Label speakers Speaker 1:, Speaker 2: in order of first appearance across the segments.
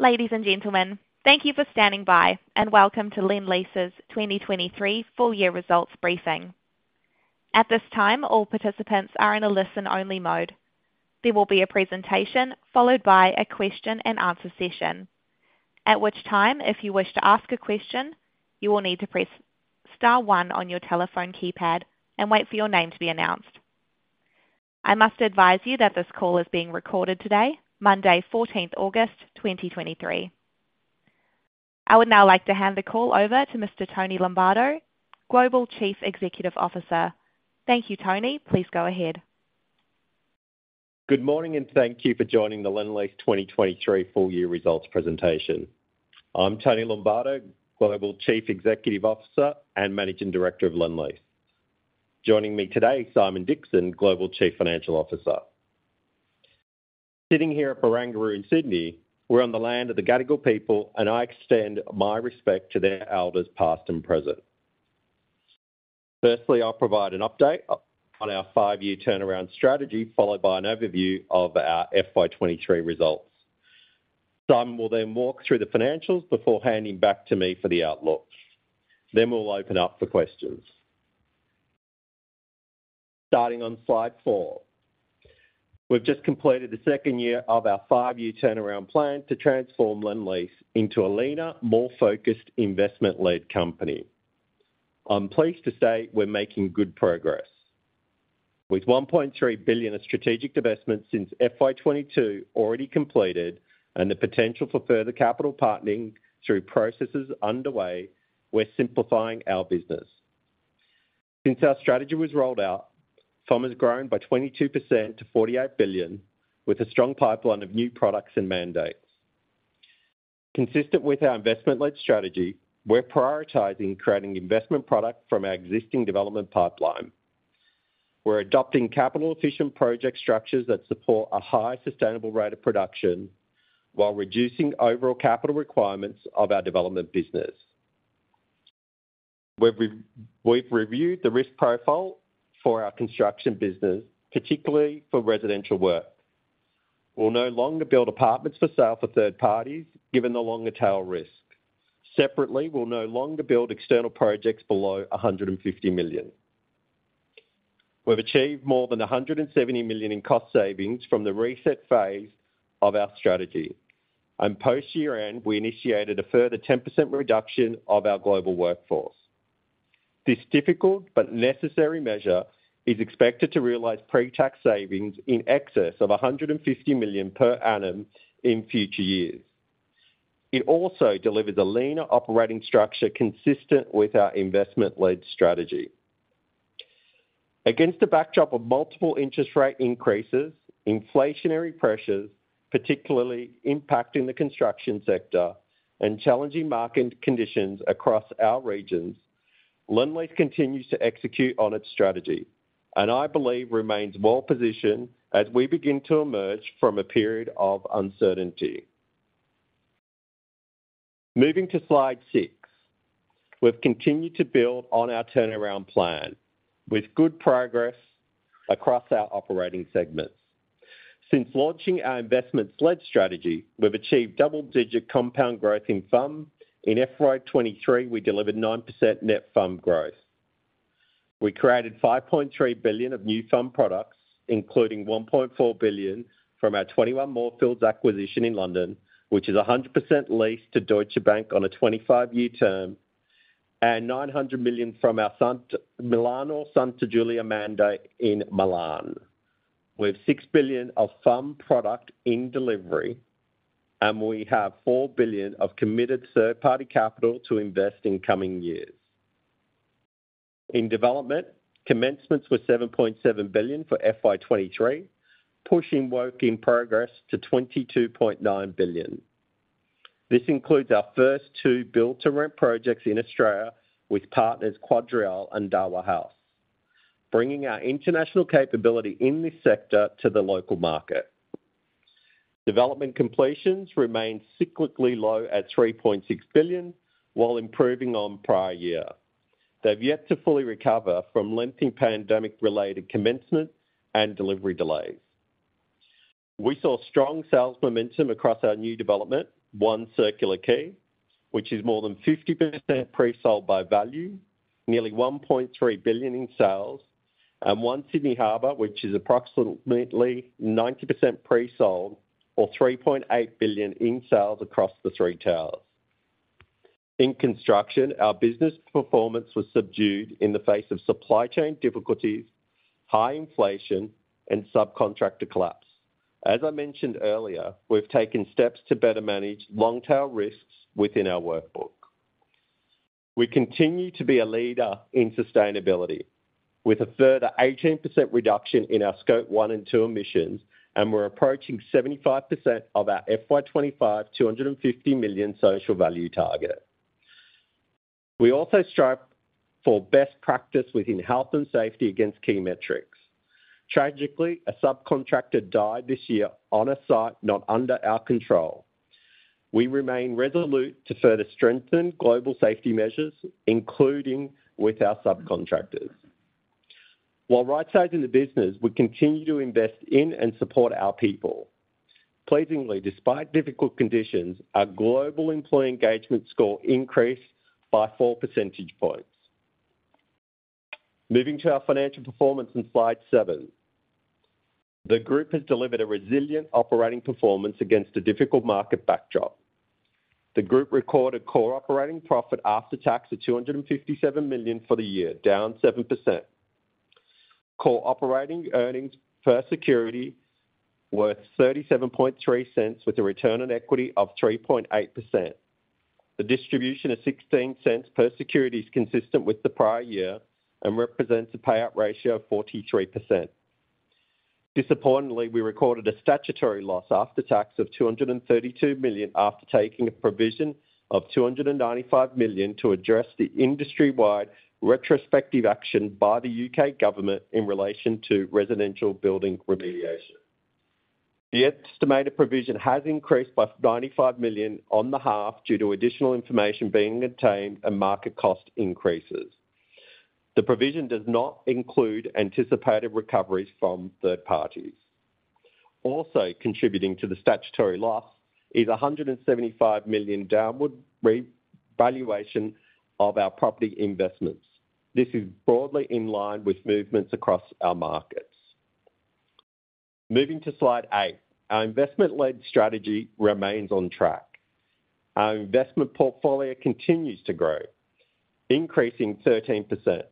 Speaker 1: Ladies and gentlemen, thank you for standing by, and welcome to Lendlease's 2023 Full Year Results briefing. At this time, all participants are in a listen-only mode. There will be a presentation, followed by a question and answer session. At which time, if you wish to ask a question, you will need to press star one on your telephone keypad and wait for your name to be announced. I must advise you that this call is being recorded today, Monday, 14th August, 2023. I would now like to hand the call over to Mr. Tony Lombardo, Global Chief Executive Officer. Thank you, Tony. Please go ahead.
Speaker 2: Good morning, thank you for joining the Lendlease 2023 full year results presentation. I'm Tony Lombardo, Global Chief Executive Officer and Managing Director of Lendlease. Joining me today, Simon Dixon, Global Chief Financial Officer. Sitting here at Barangaroo in Sydney, we're on the land of the Gadigal people, and I extend my respect to their elders, past and present. Firstly, I'll provide an update on our five-year turnaround strategy, followed by an overview of our FY 2023 results. Simon will then walk through the financials before handing back to me for the outlook. We'll open up for questions. Starting on slide four. We've just completed the second year of our five-year turnaround plan to transform Lendlease into a leaner, more focused, investment-led company. I'm pleased to say we're making good progress. With 1.3 billion of strategic divestments since FY 2022 already completed, and the potential for further capital partnering through processes underway, we're simplifying our business. Since our strategy was rolled out, FUM has grown by 22% to 48 billion, with a strong pipeline of new products and mandates. Consistent with our investment-led strategy, we're prioritizing creating investment product from our existing development pipeline. We're adopting capital-efficient project structures that support a high, sustainable rate of production while reducing overall capital requirements of our development business. We've reviewed the risk profile for our construction business, particularly for residential work. We'll no longer build apartments for sale for third parties, given the longer tail risk. Separately, we'll no longer build external projects below 150 million. We've achieved more than 170 million in cost savings from the reset phase of our strategy, and post-year end, we initiated a further 10% reduction of our global workforce. This difficult but necessary measure is expected to realize pre-tax savings in excess of 150 million per annum in future years. It also delivers a leaner operating structure consistent with our investment-led strategy. Against the backdrop of multiple interest rate increases, inflationary pressures, particularly impacting the construction sector and challenging market conditions across our regions, Lendlease continues to execute on its strategy and I believe remains well positioned as we begin to emerge from a period of uncertainty. Moving to slide six. We've continued to build on our turnaround plan with good progress across our operating segments. Since launching our investments-led strategy, we've achieved double-digit compound growth in FUM. In FY 2023, we delivered 9% net FUM growth. We created 5.3 billion of new FUM products, including 1.4 billion from our 21 Moorfields acquisition in London, which is 100% leased to Deutsche Bank on a 25-year term, and 900 million from our Milano Santa Giulia mandate in Milan. We have 6 billion of FUM product in delivery, and we have 4 billion of committed third-party capital to invest in coming years. In development, commencements were 7.7 billion for FY 2023, pushing Work in Progress to 22.9 billion. This includes our first two build-to-rent projects in Australia, with partners QuadReal and Daiwa House, bringing our international capability in this sector to the local market. Development completions remained cyclically low at 3.6 billion, while improving on prior year. They've yet to fully recover from lengthy pandemic-related commencement and delivery delays. We saw strong sales momentum across our new development, One Circular Quay, which is more than 50% pre-sold by value, nearly 1.3 billion in sales, and One Sydney Harbour, which is approximately 90% pre-sold or 3.8 billion in sales across the three towers. In construction, our business performance was subdued in the face of supply chain difficulties, high inflation, and subcontractor collapse. As I mentioned earlier, we've taken steps to better manage long-tail risks within our workbook. We continue to be a leader in sustainability, with a further 18% reduction in our Scope 1 and 2 emissions, and we're approaching 75% of our FY 2025, 250 million social value target. We also strive for best practice within health and safety against key metrics. Tragically, a subcontractor died this year on a site not under our control. We remain resolute to further strengthen global safety measures, including with our subcontractors. While rightsizing the business, we continue to invest in and support our people. Pleasingly, despite difficult conditions, our global employee engagement score increased by 4 percentage points. Moving to our financial performance on slide seven. The group has delivered a resilient operating performance against a difficult market backdrop. The group recorded core operating profit after tax of 257 million for the year, down 7%. Core operating earnings per security were 0.373, with a return on equity of 3.8%. The distribution of 0.16 per security is consistent with the prior year and represents a payout ratio of 43%. Disappointingly, we recorded a statutory loss after tax of 232 million, after taking a provision of 295 million to address the industry-wide retrospective action by the U.K. government in relation to residential building remediation. The estimated provision has increased by 95 million on the half due to additional information being obtained and market cost increases. The provision does not include anticipated recoveries from third parties. Also, contributing to the statutory loss is 175 million downward revaluation of our property investments. This is broadly in line with movements across our markets. Moving to slide eight. Our investment-led strategy remains on track. Our investment portfolio continues to grow, increasing 13%,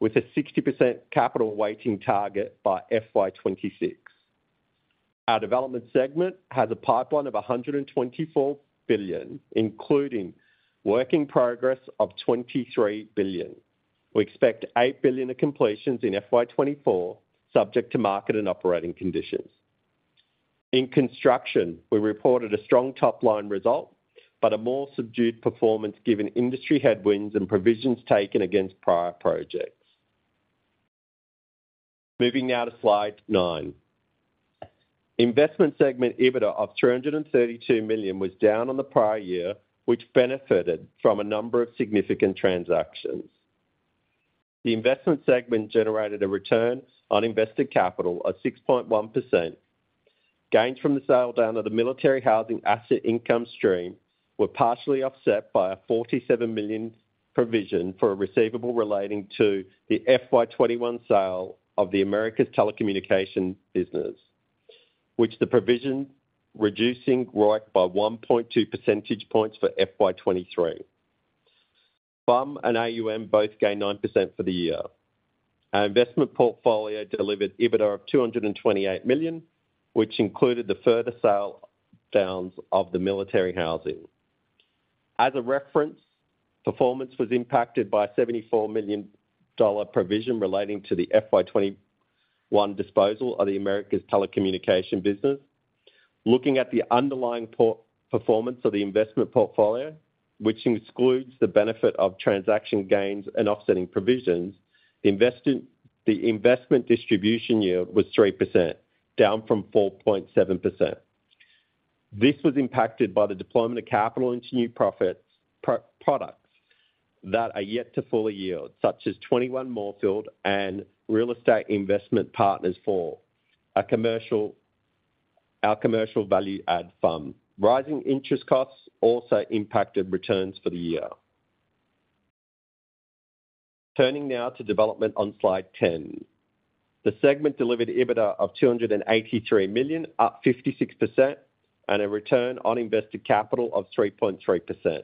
Speaker 2: with a 60% capital weighting target by FY 2026. Our Development segment has a pipeline of 124 billion, including work in progress of 23 billion. We expect 8 billion of completions in FY 2024, subject to market and operating conditions. In construction, we reported a strong top-line result, but a more subdued performance, given industry headwinds and provisions taken against prior projects. Moving now to slide nine. Investment segment, EBITDA of 332 million, was down on the prior year, which benefited from a number of significant transactions. The investment segment generated a return on invested capital of 6.1%. Gains from the sale down to the military housing asset income stream were partially offset by a 47 million provision for a receivable relating to the FY 2021 sale of the Americas Telecommunications business, which the provision reducing ROIC by 1.2 percentage points for FY 2023. FUM and AUM both gained 9% for the year. Our investment portfolio delivered EBITDA of 228 million, which included the further sale downs of the military housing. As a reference, performance was impacted by a 74 million dollar provision relating to the FY 2021 disposal of the Americas Telecommunication business. Looking at the underlying performance of the investment portfolio, which excludes the benefit of transaction gains and offsetting provisions, the investment distribution year was 3%, down from 4.7%. This was impacted by the deployment of capital into new products that are yet to fully yield, such as 21 Moorfields and Real Estate Investment Partners for our commercial value add fund. Rising interest costs also impacted returns for the year. Turning now to development on slide 10. The segment delivered EBITDA of AUD 283 million, up 56%, and a return on invested capital of 3.3%.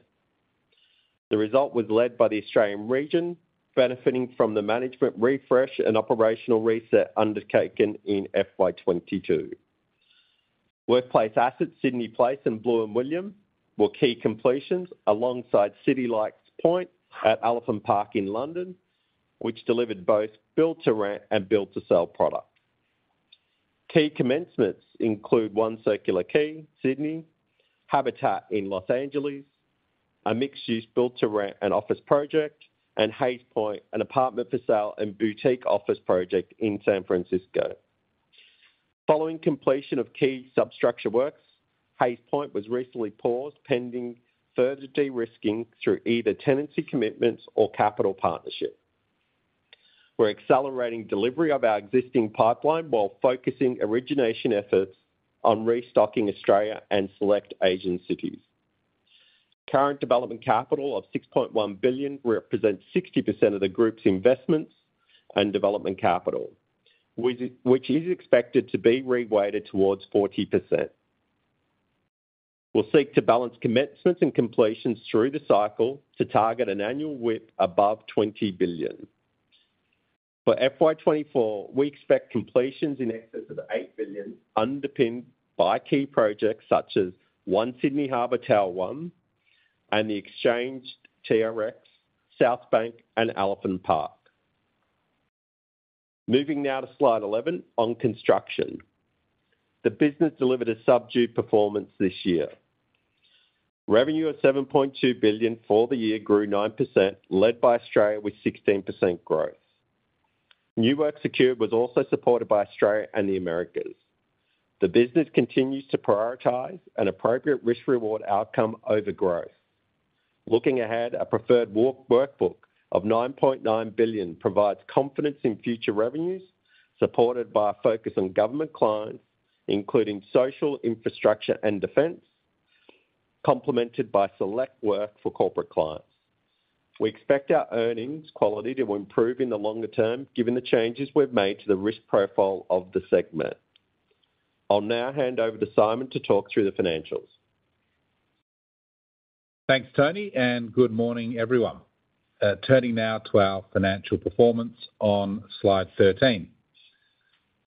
Speaker 2: The result was led by the Australian region, benefiting from the management refresh and operational reset undertaken in FY 2022. Workplace assets, Sydney Place and Blue & William, were key completions alongside City Lights Point at Elephant Park in London, which delivered both build-to-rent and build-to-sell product. Key commencements include One Circular Quay, Sydney, Habitat in Los Angeles, a mixed-use build-to-rent and office project, and Hayes Point, an apartment for sale and boutique office project in San Francisco. Following completion of key substructure works, Hayes Point was recently paused, pending further de-risking through either tenancy commitments or capital partnership. We're accelerating delivery of our existing pipeline while focusing origination efforts on restocking Australia and select Asian cities. Current development capital of 6.1 billion represents 60% of the group's investments and development capital, which is expected to be reweighted towards 40%. We'll seek to balance commencements and completions through the cycle to target an annual WIP above 20 billion. For FY 2024, we expect completions in excess of 8 billion, underpinned by key projects such as One Sydney Harbour, Tower 1, and Exchange TRX, South Bank, and Elephant Park. Moving now to slide 11 on construction. The business delivered a subdued performance this year. Revenue of 7.2 billion for the year grew 9%, led by Australia with 16% growth. New work secured was also supported by Australia and the Americas. The business continues to prioritize an appropriate risk-reward outcome over growth. Looking ahead, our preferred work, workbook of 9.9 billion provides confidence in future revenues, supported by a focus on government clients, including social, infrastructure, and defense, complemented by select work for corporate clients. We expect our earnings quality to improve in the longer term, given the changes we've made to the risk profile of the segment. I'll now hand over to Simon to talk through the financials.
Speaker 3: Thanks, Tony, good morning, everyone. Turning now to our financial performance on slide 13.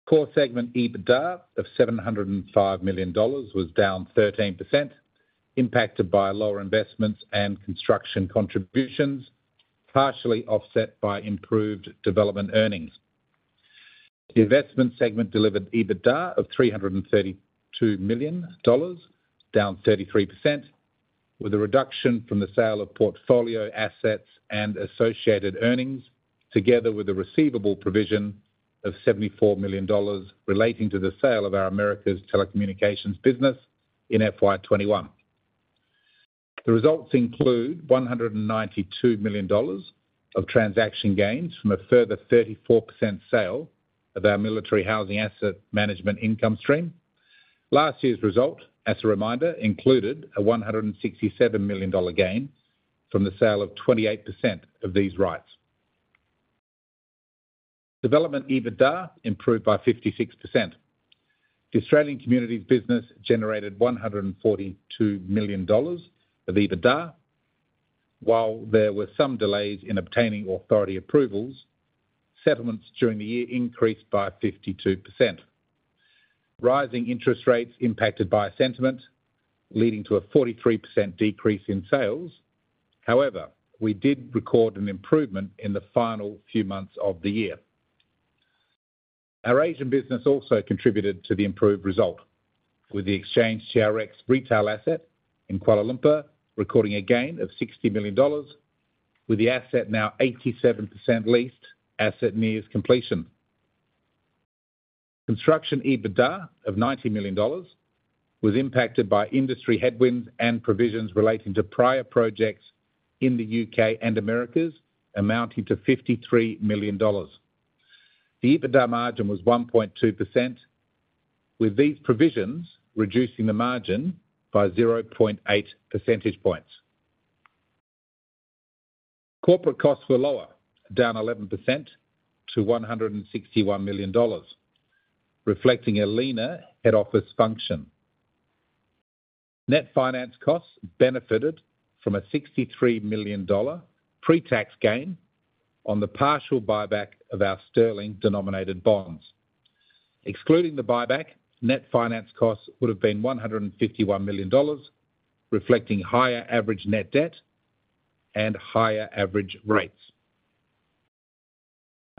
Speaker 3: Core segment EBITDA of 705 million dollars was down 13%, impacted by lower investments and construction contributions, partially offset by improved development earnings. The Investment segment delivered EBITDA of 332 million dollars, down 33%, with a reduction from the sale of portfolio assets and associated earnings, together with a receivable provision of 74 million dollars relating to the sale of our Americas telecommunications business in FY 2021. The results include 192 million dollars of transaction gains from a further 34% sale of our Military Housing Asset Management income stream. Last year's result, as a reminder, included a 167 million dollar gain from the sale of 28% of these rights. Development EBITDA improved by 56%. The Australian Communities business generated 142 million dollars of EBITDA. While there were some delays in obtaining authority approvals, settlements during the year increased by 52%. Rising interest rates impacted by sentiment, leading to a 43% decrease in sales. However, we did record an improvement in the final few months of the year. Our Asian business also contributed to the improved result, with The Exchange TRX retail asset in Kuala Lumpur recording a gain of 60 million dollars, with the asset now 87% leased. Asset nears completion. Construction EBITDA of 90 million dollars was impacted by industry headwinds and provisions relating to prior projects in the U.K. and Americas, amounting to 53 million dollars. The EBITDA margin was 1.2%, with these provisions reducing the margin by 0.8 percentage points. Corporate costs were lower, down 11% to 161 million dollars, reflecting a leaner head office function. Net finance costs benefited from a 63 million dollar pre-tax gain on the partial buyback of our sterling-denominated bonds. Excluding the buyback, net finance costs would have been 151 million dollars, reflecting higher average net debt and higher average rates.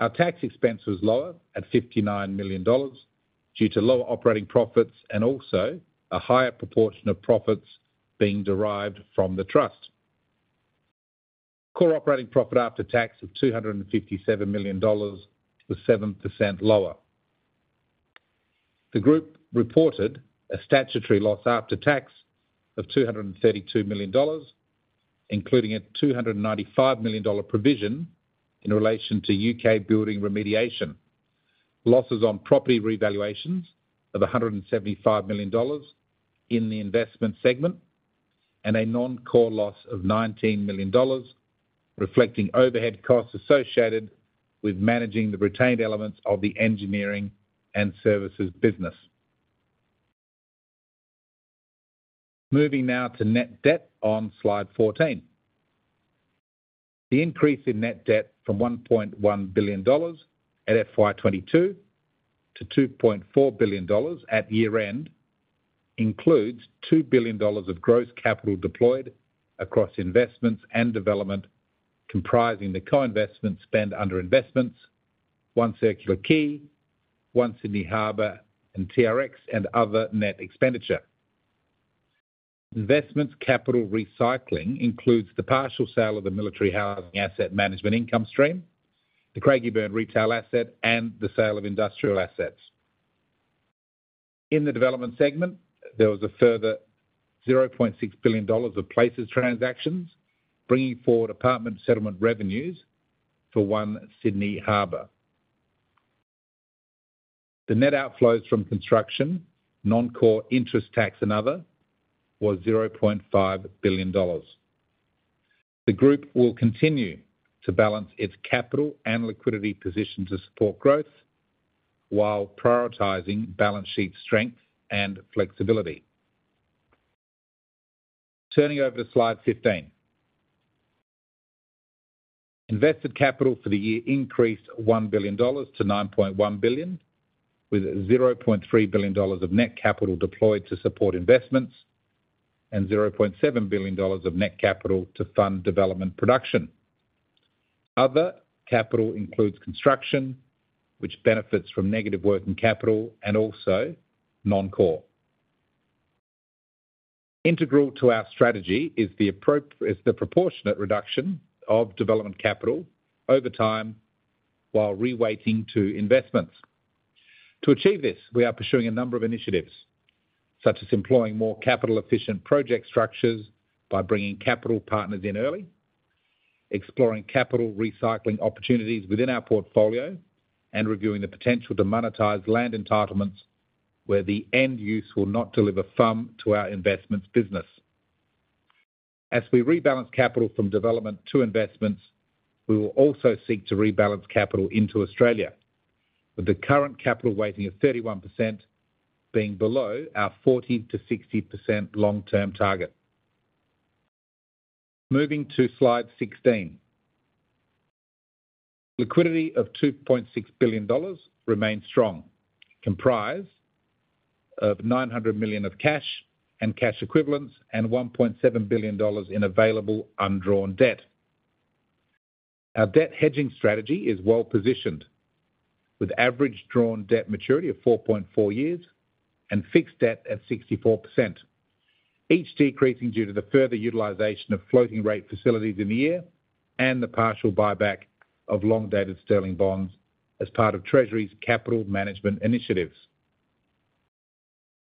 Speaker 3: Our tax expense was lower at 59 million dollars due to lower operating profits, and also a higher proportion of profits being derived from the trust. Core operating profit after tax of 257 million dollars was 7% lower. The group reported a statutory loss after tax of 232 million dollars, including a 295 million dollar provision in relation to U.K. building remediation. Losses on property revaluations of 175 million dollars in the investment segment. A non-core loss of 19 million dollars, reflecting overhead costs associated with managing the retained elements of the Engineering and Services business. Moving now to net debt on slide 14. The increase in net debt from 1.1 billion dollars at FY 2022 to 2.4 billion dollars at year-end, includes 2 billion dollars of gross capital deployed across investments and development, comprising the co-investment spend under investments, One Circular Quay, One Sydney Harbour, and TRX, and other net expenditure. Investments capital recycling includes the partial sale of the military housing asset management income stream, the Craigieburn retail asset, and the sale of industrial assets. In the Development segment, there was a further 0.6 billion dollars of PLLACes transactions, bringing forward apartment settlement revenues for One Sydney Harbour. The net outflows from construction, non-core interest tax and other, was 0.5 billion dollars. The group will continue to balance its capital and liquidity position to support growth while prioritizing balance sheet strength and flexibility. Turning over to slide 15. Invested capital for the year increased 1 billion-9.1 billion dollars, with 0.3 billion dollars of net capital deployed to support investments, and 0.7 billion dollars of net capital to fund development production. Other capital includes construction, which benefits from negative working capital and also non-core. Integral to our strategy is the is the proportionate reduction of development capital over time, while reweighting to investments. To achieve this, we are pursuing a number of initiatives, such as employing more capital efficient project structures by bringing capital partners in early, exploring capital recycling opportunities within our portfolio, and reviewing the potential to monetize land entitlements, where the end use will not deliver FUM to our investments business. As we rebalance capital from development to investments, we will also seek to rebalance capital into Australia, with the current capital weighting of 31% being below our 40%-60% long-term target. Moving to slide 16. Liquidity of 2.6 billion dollars remains strong, comprised of 900 million of cash and cash equivalents, and 1.7 billion dollars in available undrawn debt. Our debt hedging strategy is well positioned, with average drawn debt maturity of four point four years and fixed debt at 64%, each decreasing due to the further utilization of floating rate facilities in the year and the partial buyback of long-dated sterling-denominated bonds as part of Treasury's capital management initiatives.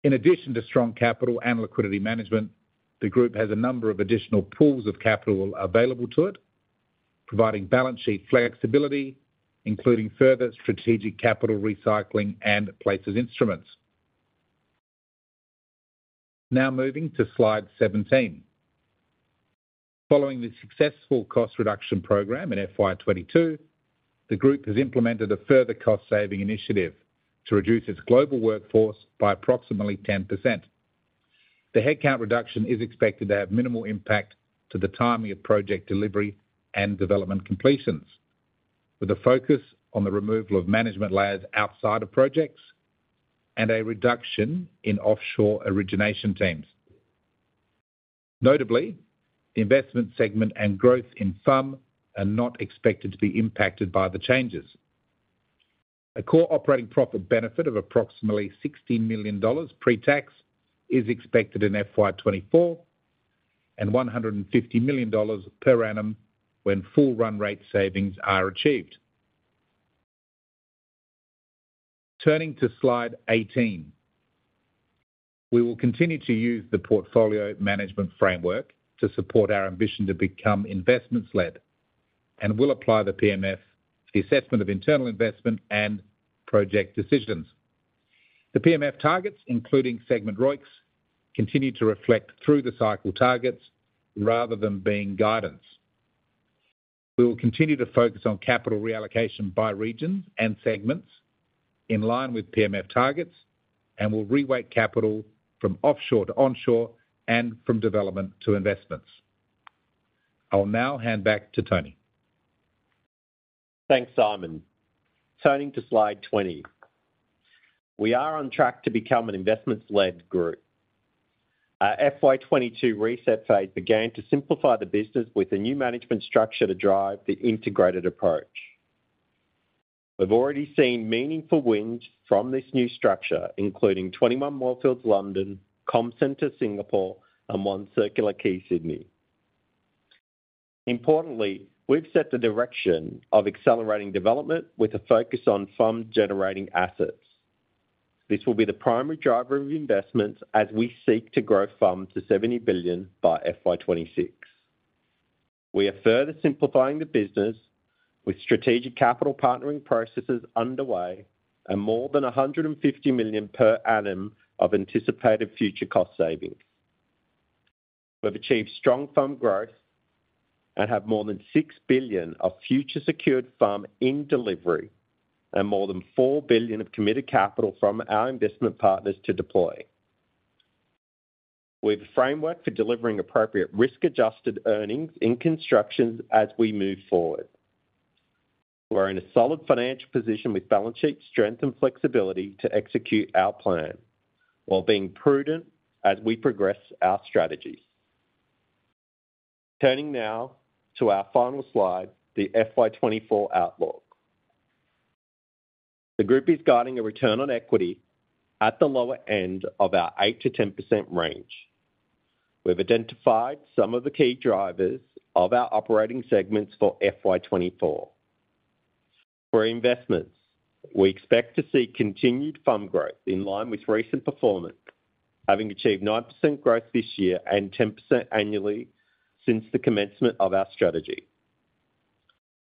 Speaker 3: In addition to strong capital and liquidity management, the group has a number of additional pools of capital available to it, providing balance sheet flexibility, including further strategic capital recycling and PLLACes instruments. Now moving to slide 17. Following the successful cost reduction program in FY 2022, the group has implemented a further cost-saving initiative to reduce its global workforce by approximately 10%. The headcount reduction is expected to have minimal impact to the timing of project delivery and development completions, with a focus on the removal of management layers outside of projects and a reduction in offshore origination teams. Notably, the investment segment and growth in FUM are not expected to be impacted by the changes. A core operating profit benefit of approximately 16 million dollars pre-tax savings is expected in FY 2024, and 150 million dollars per annum when full run rate savings are achieved. Turning to slide 18. We will continue to use the portfolio management framework to support our ambition to become investments led, and will apply the PMF, the assessment of internal investment, and project decisions. The PMF targets, including segment ROICs, continue to reflect through the cycle targets rather than being guidance. We will continue to focus on capital reallocation by regions and segments in line with PMF targets, and will reweight capital from offshore to onshore and from development to investments. I will now hand back to Tony.
Speaker 2: Thanks, Simon. Turning to slide 20. We are on track to become an investments-led group. Our FY 2022 reset phase began to simplify the business with a new management structure to drive the integrated approach. We've already seen meaningful wins from this new structure, including 21 Moorfields, London, Comcentre, Singapore, and One Circular Quay, Sydney. Importantly, we've set the direction of accelerating development with a focus on FUM generating assets. This will be the primary driver of investments as we seek to grow FUM to 70 billion by FY 2026. We are further simplifying the business with strategic capital partnering processes underway and more than 150 million per annum of anticipated future cost savings. We've achieved strong FUM growth and have more than 6 billion of future secured FUM in delivery, and more than 4 billion of committed capital from our investment partners to deploy. We have a framework for delivering appropriate risk-adjusted earnings in constructions as we move forward. We're in a solid financial position with balance sheet strength and flexibility to execute our plan while being prudent as we progress our strategies. Turning now to our final slide, the FY 2024 outlook. The group is guiding a return on equity at the lower end of our 8%-10% range. We've identified some of the key drivers of our operating segments for FY 2024. For Investments, we expect to see continued FUM growth in line with recent performance, having achieved 9% growth this year and 10% annually since the commencement of our strategy.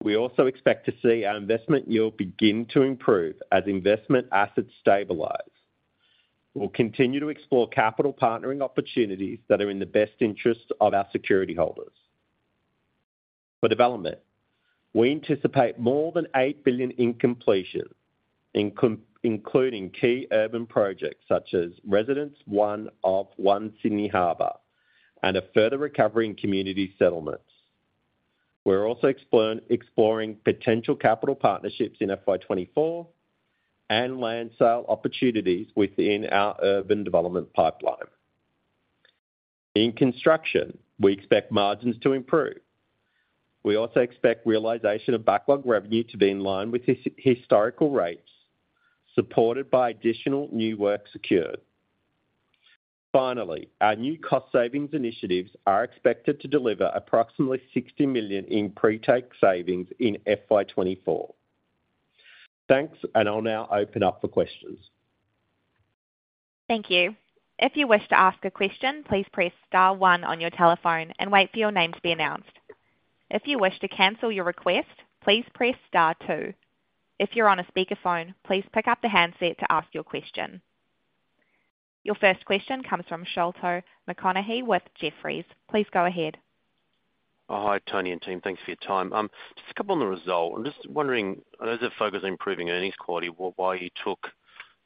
Speaker 2: We also expect to see our investment yield begin to improve as investment assets stabilize. We'll continue to explore capital partnering opportunities that are in the best interest of our security holders. For Development, we anticipate more than 8 billion in completion, including key urban projects such as Residences One of One Sydney Harbour, and a further recovery in community settlements. We're also exploring potential capital partnerships in FY 2024 and land sale opportunities within our urban development pipeline. In construction, we expect margins to improve. We also expect realization of backlog revenue to be in line with historical rates, supported by additional new work secured. Our new cost savings initiatives are expected to deliver approximately 60 million in pre-tax savings in FY 2024. Thanks, and I'll now open up for questions.
Speaker 1: Thank you. If you wish to ask a question, please press star one on your telephone and wait for your name to be announced. If you wish to cancel your request, please press star two. If you're on a speakerphone, please pick up the handset to ask your question. Your first question comes from Sholto Maconochie with Jefferies. Please go ahead.
Speaker 4: Oh, hi, Tony and team. Thanks for your time. Just a couple on the result. I'm just wondering, as a focus on improving earnings quality, why you took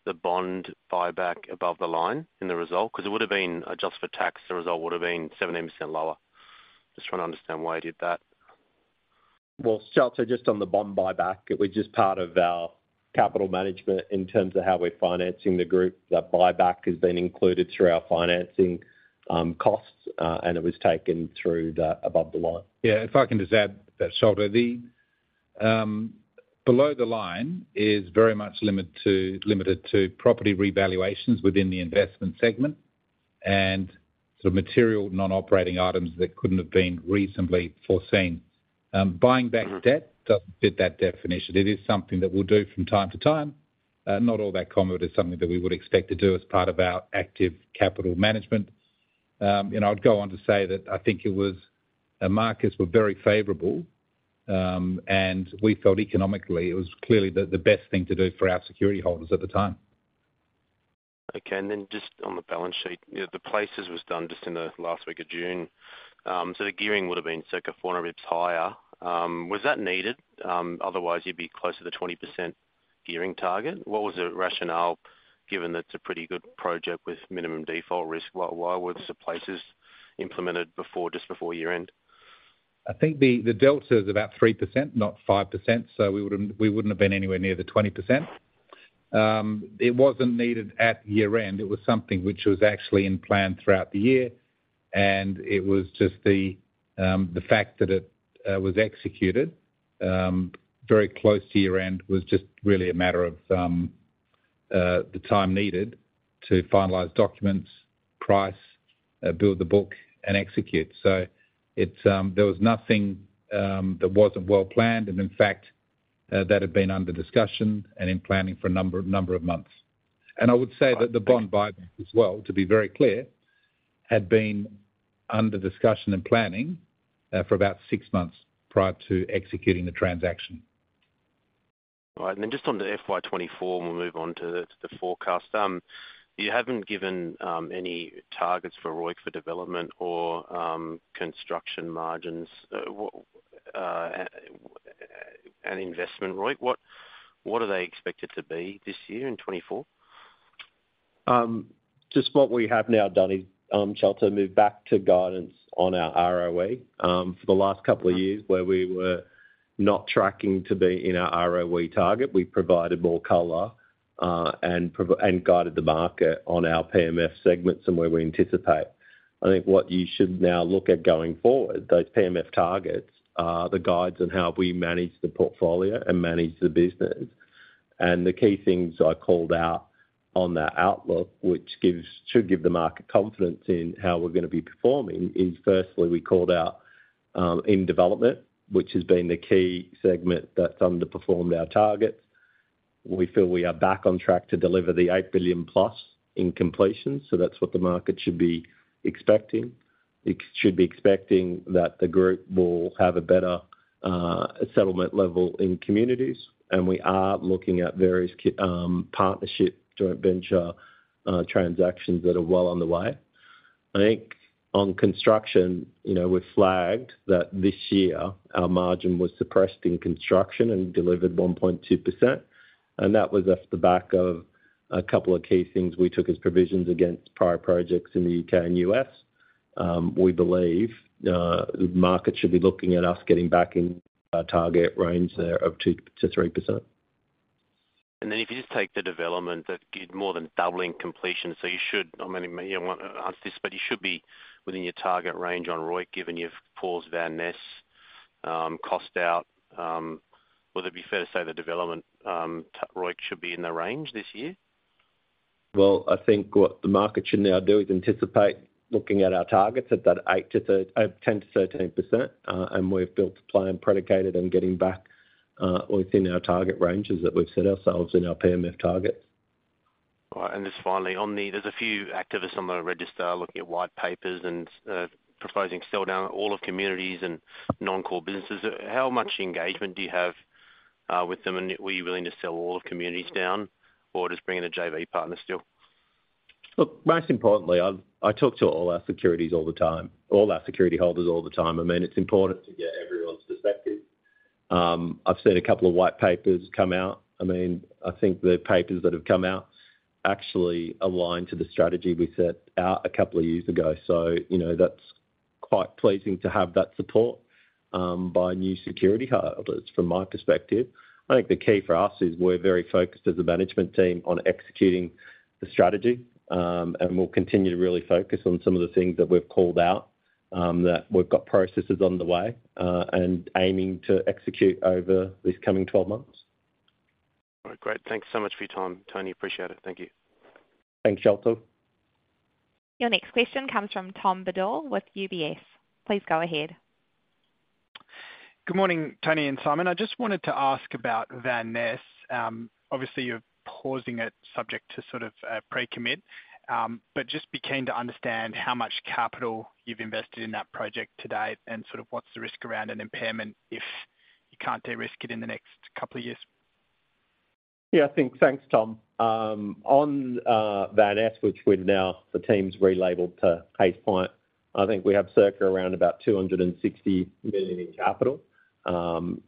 Speaker 4: the bond buyback above the line in the result? Because it would have been adjusted for tax, the result would have been 17% lower. Just trying to understand why you did that.
Speaker 2: Well, Sholto, just on the bond buyback, it was just part of our capital management in terms of how we're financing the group. That buyback has been included through our financing, costs. It was taken through the above the line.
Speaker 3: Yeah, if I can just add, Sholto, the, below the line is very much limited to property revaluations within the investment segment and so material non-operating items that couldn't have been reasonably foreseen. Buying back debt doesn't fit that definition. It is something that we'll do from time to time. Not all that common is something that we would expect to do as part of our active capital management. I'd go on to say that I think it was, the markets were very favorable, and we felt economically it was clearly the best thing to do for our security holders at the time.
Speaker 4: Okay, just on the balance sheet, you know, the PLLACes was done just in the last week of June. So the gearing would have been circa 400 bps higher. Was that needed? Otherwise, you'd be closer to 20% gearing target. What was the rationale, given that's a pretty good project with minimum default risk, why, why were the PLLACes implemented before, just before year-end?
Speaker 3: I think the, the delta is about 3%, not 5%, so we wouldn't, we wouldn't have been anywhere near the 20%. It wasn't needed at year-end. It was something which was actually in plan throughout the year, and it was just the, the fact that it, was executed, very close to year-end, was just really a matter of, the time needed to finalize documents, price, build the book, and execute. It's, there was nothing, that wasn't well planned, and in fact, that had been under discussion and in planning for a number, number of months. I would say that the bond buyback as well, to be very clear, had been under discussion and planning, for about six months prior to executing the transaction.
Speaker 4: All right. Then just on the FY 2024, we'll move on to the forecast. You haven't given any targets for ROIC for development or construction margins, what, and investment, ROIC. What, what are they expected to be this year in 2024?
Speaker 3: Just what we have now done is, Sholto, move back to guidance on our ROE. For the last couple of years, where we were not tracking to be in our ROE target, we provided more color and guided the market on our PMF segments and where we anticipate. I think what you should now look at going forward, those PMF targets, are the guides on how we manage the portfolio and manage the business. The key things I called out on that outlook, which should give the market confidence in how we're going to be performing, is firstly, we called out in development, which has been the key segment that's underperformed our targets. We feel we are back on track to deliver the 8 billion plus in completion, so that's what the market should be expecting. It should be expecting that the group will have a better settlement level in communities. We are looking at various partnership, joint venture, transactions that are well on the way. I think on construction, you know, we've flagged that this year, our margin was suppressed in construction and delivered 1.2%, and that was off the back of a couple of key things we took as provisions against prior projects in the U.K. and U.S. We believe the market should be looking at us getting back in our target range there of 2%-3%.
Speaker 4: If you just take the development, that give more than doubling completion, so you should, I mean, you don't want to answer this, but you should be within your target range on ROIC, given you've paused Van Ness, cost out, would it be fair to say the development, ROIC should be in the range this year?
Speaker 3: Well, I think what the market should now do is anticipate looking at our targets at that 8% to 10% to 13%, and we've built a plan predicated on getting back, within our target ranges that we've set ourselves in our PMF targets.
Speaker 4: All right. Just finally, on the... There's a few activists on the register looking at white papers and proposing sell down all of communities and non-core businesses. How much engagement do you have with them, and were you willing to sell all of communities down or just bring in a JV partner still?
Speaker 2: Look, most importantly, I talk to all our securities all the time, all our security holders all the time. I mean, it's important to get everyone's perspective. I've seen a couple of white papers come out. I mean, I think the papers that have come out actually align to the strategy we set out a couple of years ago. You know, that's quite pleasing to have that support by new security holders from my perspective. I think the key for us is we're very focused as a management team on executing the strategy, we'll continue to really focus on some of the things that we've called out, that we've got processes on the way, and aiming to execute over these coming 12 months.
Speaker 4: All right, great. Thanks so much for your time, Tony. Appreciate it. Thank you.
Speaker 2: Thanks, Sholto.
Speaker 1: Your next question comes from Tom Bodor with UBS. Please go ahead.
Speaker 5: Good morning, Tony and Simon. I just wanted to ask about Van Ness. Obviously, you're pausing it subject to sort of pre-commit. Just be keen to understand how much capital you've invested in that project to date and sort of what's the risk around an impairment if you can't de-risk it in the next couple of years?
Speaker 2: Yeah, I think. Thanks, Tom. On Van Ness, which we've now the team's relabeled to Hayes Point, I think we have circa around about $260 million in capital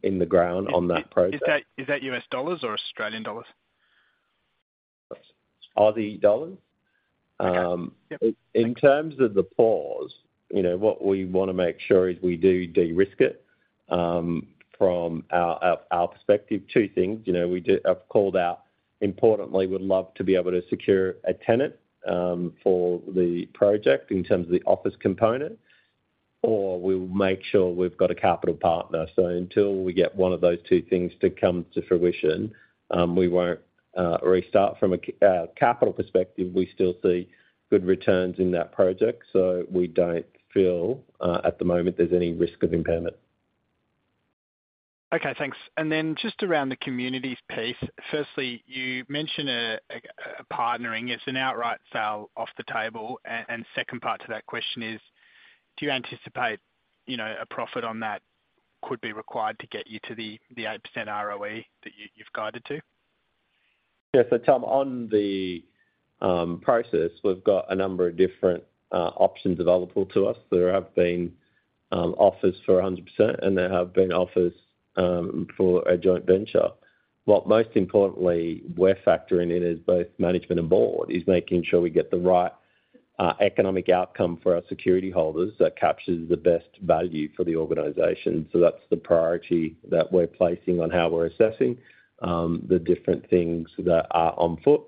Speaker 2: in the ground on that project.
Speaker 5: Is that, is that U.S. dollars or Australian dollars?
Speaker 2: Aussie dollars. In terms of the pause, you know, what we want to make sure is we do de-risk it. From our, our, our perspective, two things: You know, we did-- I've called out, importantly, we'd love to be able to secure a tenant for the project in terms of the office component, or we'll make sure we've got a capital partner. Until we get one of those two things to come to fruition, we won't restart. From a capital perspective, we still see good returns in that project, so we don't feel at the moment there's any risk of impairment.
Speaker 5: Okay, thanks. Then just around the communities piece. Firstly, you mentioned a partnering. It's an outright sale off the table. Second part to that question is: Do you anticipate, you know, a profit on that could be required to get you to the 8% ROE that you, you've guided to?
Speaker 2: Tom, on the process, we've got a number of different options available to us. There have been offers for 100%, and there have been offers for a joint venture. What most importantly, we're factoring in is both management and board, is making sure we get the right economic outcome for our security holders that captures the best value for the organization. That's the priority that we're placing on how we're assessing the different things that are on foot.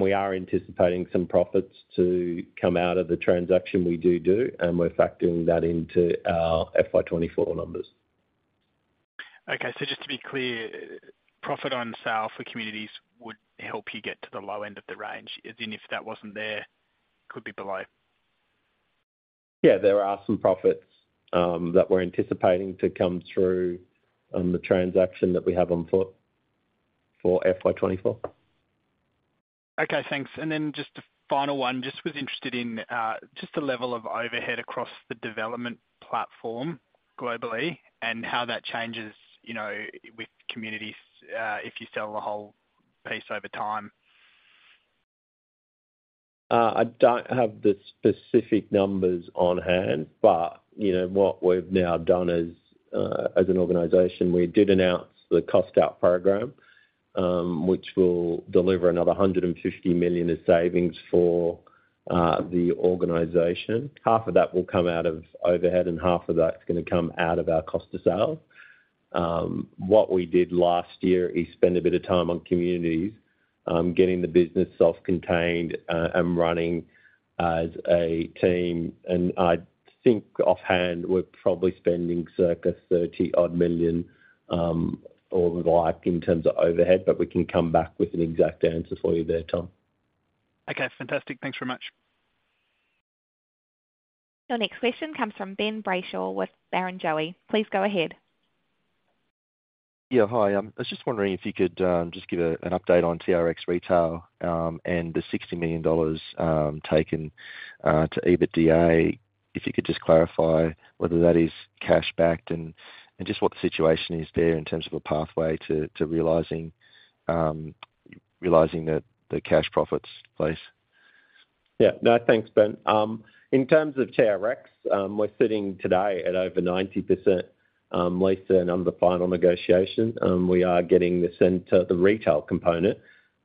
Speaker 2: We are anticipating some profits to come out of the transaction we do do, and we're factoring that into our FY 2024 numbers.
Speaker 5: Okay. Just to be clear, profit on sale for communities would help you get to the low end of the range, as in if that wasn't there, could be below?
Speaker 2: Yeah, there are some profits that we're anticipating to come through on the transaction that we have on foot for FY 2024.
Speaker 5: Okay, thanks. Just a final one. Just was interested in, just the level of overhead across the development platform globally and how that changes, you know, with communities, if you sell the whole piece over time.
Speaker 2: I don't have the specific numbers on hand, but you know, what we've now done as an organization, we did announce the cost out program, which will deliver another 150 million in savings for the organization. Half of that will come out of overhead, half of that is going to come out of our cost of sales. What we did last year is spend a bit of time on communities, getting the business self-contained, and running as a team, and I think offhand, we're probably spending circa 30-odd million or the like, in terms of overhead, but we can come back with an exact answer for you there, Tom.
Speaker 5: Okay, fantastic. Thanks very much.
Speaker 1: Your next question comes from Ben Brayshaw with Barrenjoey. Please go ahead.
Speaker 6: Yeah, hi. I was just wondering if you could just give an update on TRX Retail, and the 60 million dollars, taken, to EBITDA. If you could just clarify whether that is cash backed and just what the situation is there in terms of a pathway to realizing the cash profits, please.
Speaker 2: Yeah. No, thanks, Ben. In terms of TRX, we're sitting today at over 90% leased and under final negotiation. We are getting the center, the retail component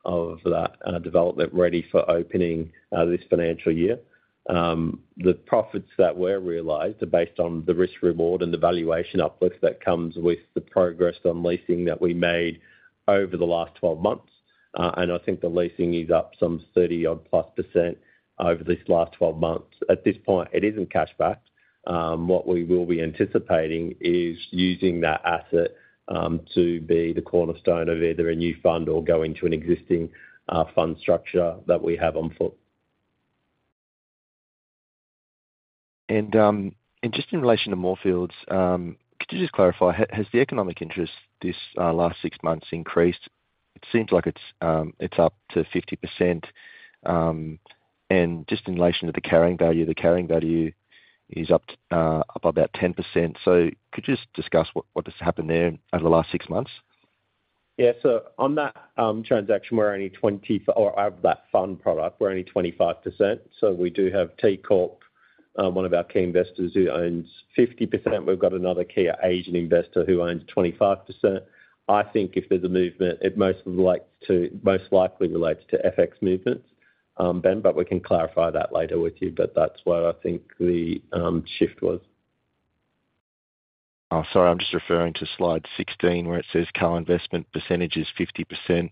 Speaker 2: of that development ready for opening this financial year. The profits that were realized are based on the risk, reward, and the valuation uplift that comes with the progress on leasing that we made over the last 12 months. I think the leasing is up some 30%-odd plus over this last 12 months. At this point, it is in cash back. What we will be anticipating is using that asset to be the cornerstone of either a new fund or go into an existing fund structure that we have on foot.
Speaker 6: Just in relation to Moorfields, could you just clarify: has the economic interest this last six months increased? It seems like it's, it's up to 50%. Just in relation to the carrying value, the carrying value is up up about 10%. Could you just discuss what, what has happened there over the last six months?
Speaker 2: Yeah. On that transaction, we're only 25%, so we do have TCorp, one of our key investors, who owns 50%. We've got another key Asian investor who owns 25%. I think if there's a movement, it most likely relates to FX movements, Ben, but we can clarify that later with you, but that's where I think the shift was.
Speaker 6: Sorry, I'm just referring to slide 16, where it says, "Current investment percentage is 50%."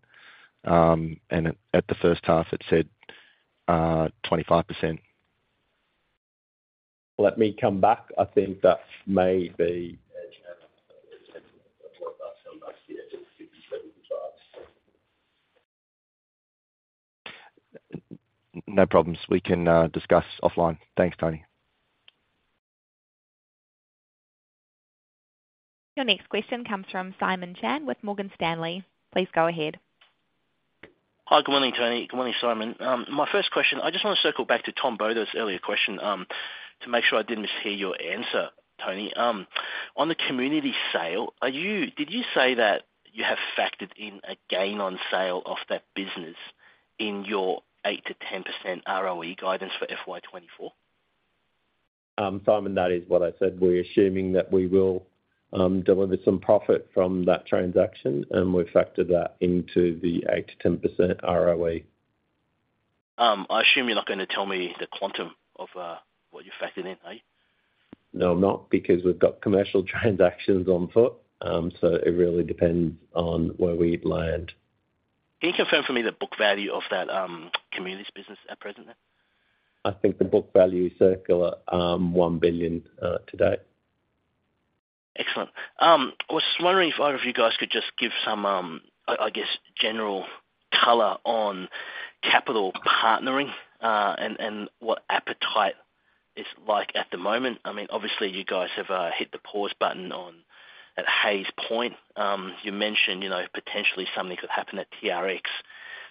Speaker 6: At, at the first half, it said, 25%.
Speaker 2: Let me come back. I think that may be No problems. We can discuss offline. Thanks, Tony.
Speaker 1: Your next question comes from Simon Chan with Morgan Stanley. Please go ahead.
Speaker 7: Hi, good morning, Tony. Good morning, Simon. My first question, I just want to circle back to Tom Bodor's earlier question, to make sure I didn't mishear your answer, Tony. On the community sale, are you-- did you say that you have factored in a gain on sale of that business in your 8%-10% ROE guidance for FY 2024?
Speaker 2: Simon, that is what I said. We're assuming that we will deliver some profit from that transaction, and we've factored that into the 8%-10% ROE.
Speaker 7: I assume you're not going to tell me the quantum of, what you factored in, are you?
Speaker 2: No, I'm not, because we've got commercial transactions on foot. It really depends on where we land.
Speaker 7: Can you confirm for me the book value of that communities business at present then?
Speaker 2: I think the book value is circular, 1 billion, today.
Speaker 7: Excellent. I was just wondering if either of you guys could just give some, I, I guess, general color on capital partnering, and what appetite is like at the moment. I mean, obviously, you guys have hit the pause button on at Hayes Point. You mentioned, you know, potentially something could happen at TRX.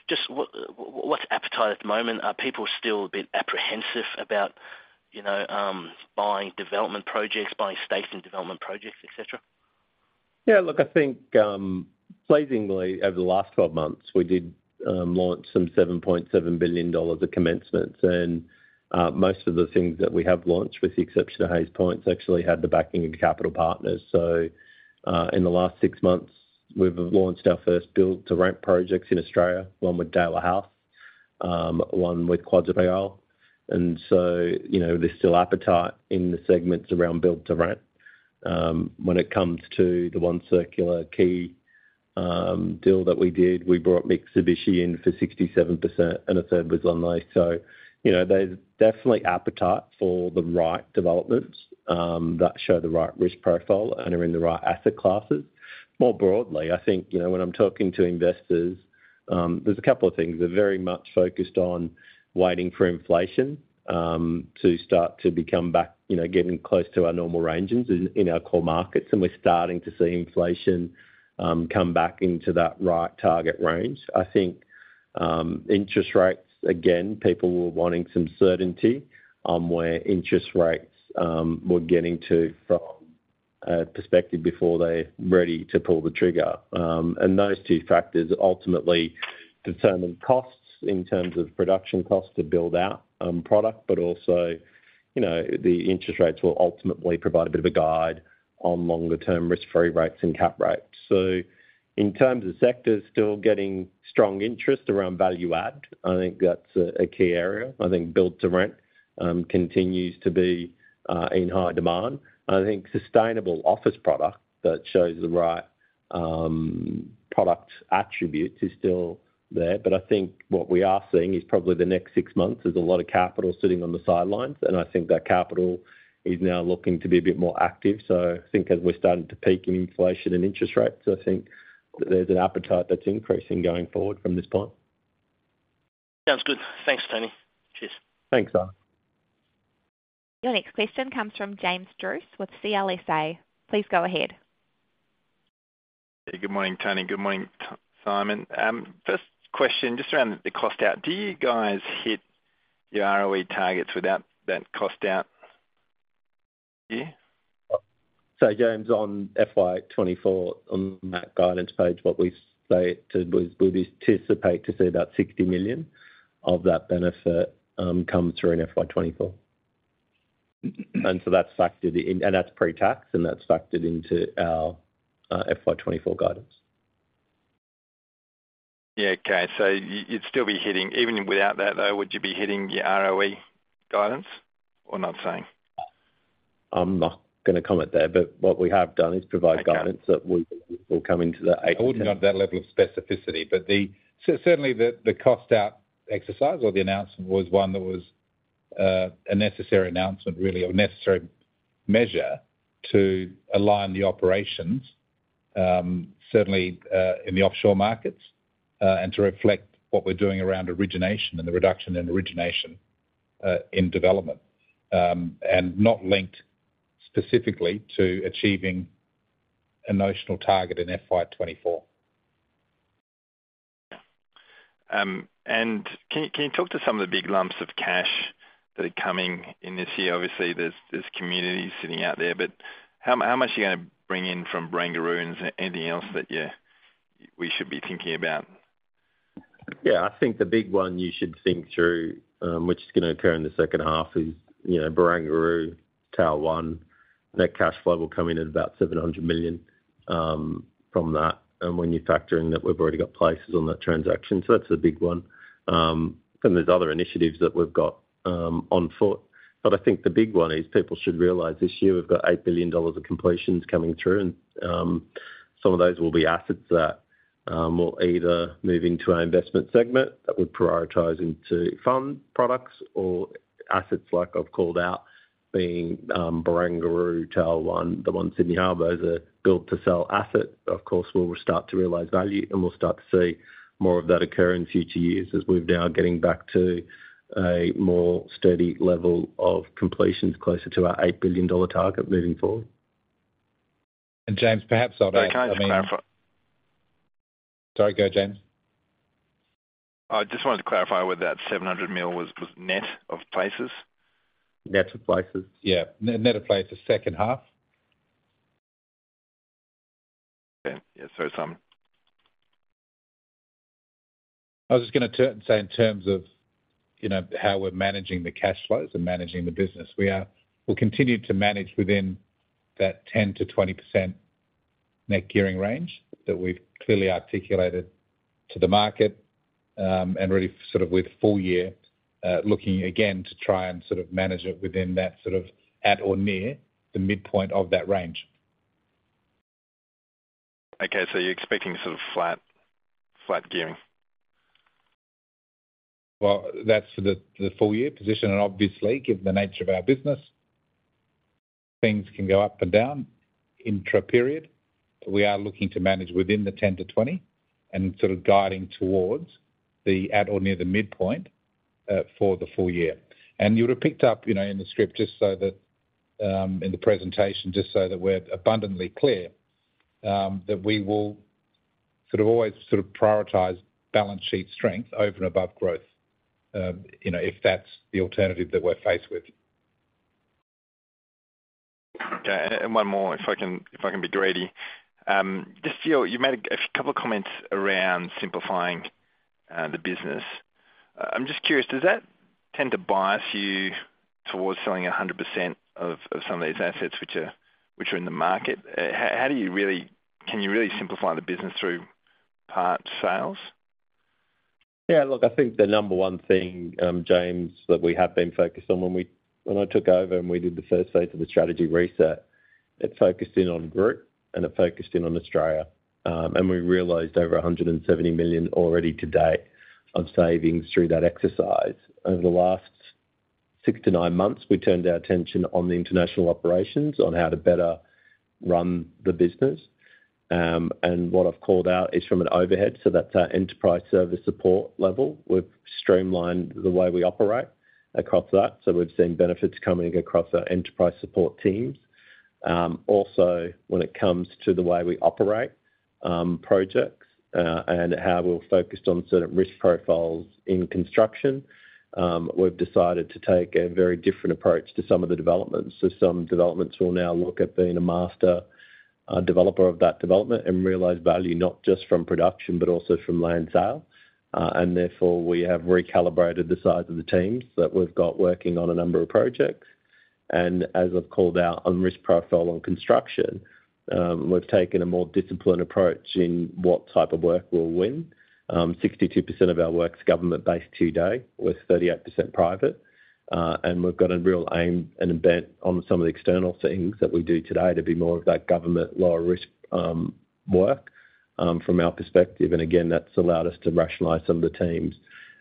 Speaker 7: Just what, what's appetite at the moment? Are people still a bit apprehensive about, you know, buying development projects, buying station development projects, et cetera?
Speaker 2: Yeah, look, I think, pleasingly, over the last 12 months, we did launch some 7.7 billion dollars of commencements, and most of the things that we have launched, with the exception of Hayes Point, actually had the backing of capital partners. In the last six months, we've launched our first build-to-rent projects in Australia, one with Daiwa House, one with Quadreal. You know, there's still appetite in the segments around build-to-rent. When it comes to the One Circular Quay deal that we did, we brought Mitsubishi in for 67% and 1/3 was on lease. You know, there's definitely appetite for the right developments, that show the right risk profile and are in the right asset classes. More broadly, I think, you know, when I'm talking to investors, there's a couple of things. They're very much focused on waiting for inflation to start to become back, you know, getting close to our normal ranges in, in our core markets, and we're starting to see inflation come back into that right target range. I think, interest rates, again, people were wanting some certainty on where interest rates were getting to from a perspective before they're ready to pull the trigger. Those two factors ultimately determine costs in terms of production costs to build out product, but also, you know, the interest rates will ultimately provide a bit of a guide on longer term risk-free rates and cap rates. In terms of sectors, still getting strong interest around value add. I think that's a, a key area. I think build-to-rent continues to be in high demand. I think sustainable office product that shows the right product attributes is still there. I think what we are seeing is probably the next six months, there's a lot of capital sitting on the sidelines, and I think that capital is now looking to be a bit more active. I think as we're starting to peak in inflation and interest rates, I think that there's an appetite that's increasing going forward from this point.
Speaker 7: Sounds good. Thanks, Tony. Cheers.
Speaker 2: Thanks, Simon.
Speaker 1: Your next question comes from James Druce with CLSA. Please go ahead.
Speaker 8: Good morning, Tony. Good morning, Simon. First question, just around the cost out. Do you guys hit your ROE targets without that cost out here?
Speaker 2: James, on FY 2024, on that guidance page, what we say to is, we anticipate to see about 60 million of that benefit, come through in FY 2024. That's factored in, and that's pre-tax, and that's factored into our FY 2024 guidance.
Speaker 8: Yeah, okay. You'd still be hitting, even without that, though, would you be hitting your ROE guidance, or not saying?
Speaker 2: I'm not going to comment there, but what we have done is provide guidance that we will come into that eight-
Speaker 3: I wouldn't go to that level of specificity, but certainly, the cost out exercise or the announcement was one that was a necessary announcement, really, a necessary measure to align the operations, certainly, in the offshore markets, and to reflect what we're doing around origination and the reduction in origination, in development, and not linked specifically to achieving a notional target in FY 2024.
Speaker 8: Can you, can you talk to some of the big lumps of cash that are coming in this year? Obviously, there's, there's communities sitting out there, how, how much are you going to bring in from Barangaroo and anything else that you- we should be thinking about?
Speaker 2: Yeah, I think the big one you should think through, which is going to occur in the second half, is, you know, Barangaroo, Tower One. Net cash flow will come in at about 700 million from that, when you factor in that, we've already got places on that transaction, that's a big one. There's other initiatives that we've got on foot. I think the big one is people should realize this year we've got 8 billion dollars of completions coming through, some of those will be assets we'll either move into our investment segment that we're prioritizing to fund products or assets like I've called out, being Barangaroo, Tower One, the One Sydney Harbour, the build-to-sell asset. Of course, we'll start to realize value, and we'll start to see more of that occur in future years as we're now getting back to a more steady level of completions, closer to our 8 billion dollar target moving forward.
Speaker 3: James, perhaps I'll.
Speaker 8: Can I just clarify?
Speaker 3: Sorry. Go, James.
Speaker 8: I just wanted to clarify whether that 700 million was net of PLLACes?
Speaker 2: Net of PLLACes.
Speaker 3: Yeah. Net, net of PLLACes, second half.
Speaker 8: Okay. Yeah, sorry, Simon.
Speaker 3: I was just going to turn and say, in terms of, you know, how we're managing the cash flows and managing the business, we'll continue to manage within that 10%-20% net gearing range that we've clearly articulated to the market, and really sort of with full year, looking again, to try and sort of manage it within that sort of at or near the midpoint of that range.
Speaker 8: Okay, you're expecting sort of flat, flat gearing?
Speaker 3: Well, that's the, the full year position and obviously, given the nature of our business, things can go up and down intraperiod. We are looking to manage within the 10%-20% and sort of guiding towards the at or near the midpoint for the full year. You would have picked up, you know, in the script just so that in the presentation, just so that we're abundantly clear that we will sort of always sort of prioritize balance sheet strength over and above growth, you know, if that's the alternative that we're faced with.
Speaker 8: Okay, one more, if I can, if I can be greedy. Just feel you've made a couple of comments around simplifying the business. I'm just curious, does that tend to bias you towards selling 100% of some of these assets which are in the market? How, how do you really... Can you really simplify the business through part sales?
Speaker 2: Yeah, look, I think the number one thing, James, that we have been focused on when I took over and we did the first phase of the strategy reset, it focused in on group, and it focused in on Australia. We realized over 170 million already to date on savings through that exercise. Over the last six to nine months, we turned our attention on the international operations on how to better run the business. What I've called out is from an overhead, so that's our enterprise service support level. We've streamlined the way we operate across that, so we've seen benefits coming across our enterprise support teams. Also, when it comes to the way we operate, projects, and how we're focused on certain risk profiles in construction, we've decided to take a very different approach to some of the developments. Some developments will now look at being a master, developer of that development and realize value, not just from production, but also from land sale. Therefore, we have recalibrated the size of the teams that we've got working on a number of projects. As I've called out on risk profile on construction, we've taken a more disciplined approach in what type of work we'll win. 62% of our work's government-based today, with 38% private. We've got a real aim and a bet on some of the external things that we do today to be more of that government lower risk, work from our perspective. Again, that's allowed us to rationalize some of the teams.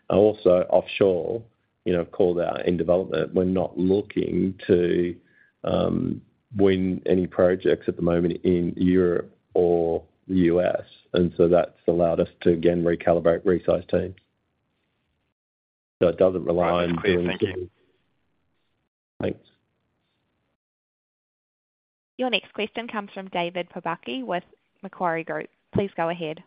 Speaker 2: Also offshore, you know, called out in Development. We're not looking to win any projects at the moment in Europe or the U.S., and so that's allowed us to again, recalibrate, resize teams. It doesn't rely on-
Speaker 8: Thank you.
Speaker 2: Thanks.
Speaker 1: Your next question comes from David Pobucky with Macquarie Group. Please go ahead.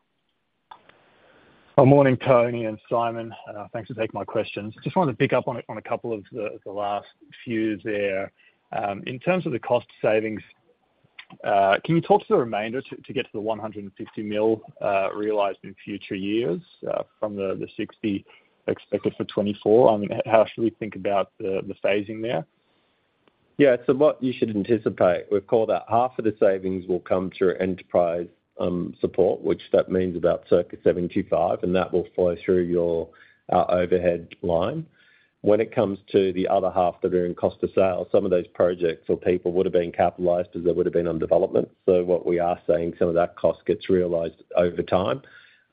Speaker 9: Good morning, Tony and Simon. Thanks for taking my questions. Just wanted to pick up on a, on a couple of the, the last few there. In terms of the cost savings, can you talk to the remainder to, to get to the 150 million, realized in future years, from the 60 expected for 2024? I mean, how should we think about the, the phasing there?
Speaker 3: So what you should anticipate, we've called out half of the savings will come through enterprise support, which that means about circa 75 million, and that will flow through your, our overhead line. When it comes to the other half that are in cost of sales, some of those projects or people would have been capitalized as they would have been on development. What we are saying, some of that cost gets realized over time,